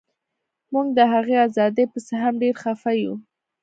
موږ د هغې ازادۍ پسې هم ډیر خفه یو